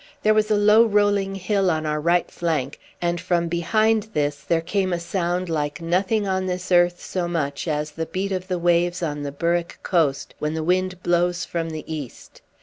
There was a low rolling hill on our right flank, and from behind this there came a sound like nothing on this earth so much as the beat of the waves on the Berwick coast when the wind blows from the east.